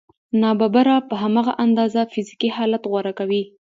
ناببره په هماغه اندازه فزیکي حالت غوره کوي